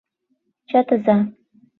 — Чытыза!